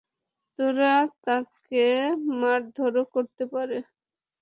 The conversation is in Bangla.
তারা তোকে মারধরও করতে পারে।